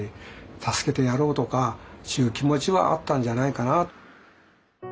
助けてやろうとかっちゅう気持ちはあったんじゃないかな。